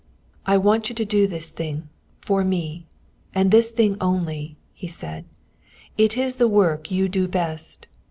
"I want you to do this thing, for me. And this thing only," he said. "It is the work you do best.